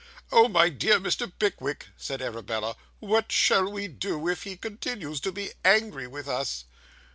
'Oh, my dear Mr. Pickwick,' said Arabella, 'what shall we do, if he continues to be angry with us?